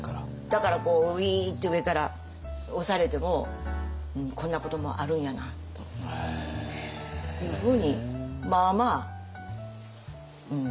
だからウイーッて上から押されてもこんなこともあるんやなというふうにまあまあうん。